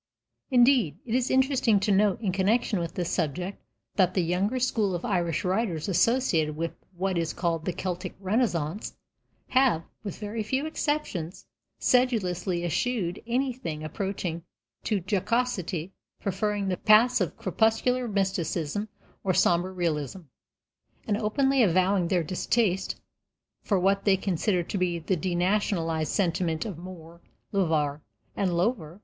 Indeed, it is interesting to note in connection with this subject that the younger school of Irish writers associated with what is called the Celtic Renascence have, with very few exceptions, sedulously eschewed anything approaching to jocosity, preferring the paths of crepuscular mysticism or sombre realism, and openly avowing their distaste for what they consider to be the denationalized sentiment of Moore, Lever, and Lover.